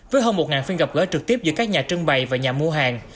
với hơn một phiên gặp gỡ trực tiếp giữa các nhà trưng bày và nhà mua hàng